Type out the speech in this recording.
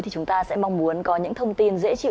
thì chúng ta sẽ mong muốn có những thông tin dễ chịu